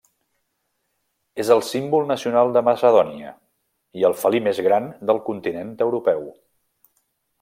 És el símbol nacional de Macedònia, i el felí més gran del continent europeu.